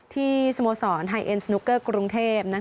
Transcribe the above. ที่สโมสรไฮเอ็นสนุกเกอร์กรุงเทพ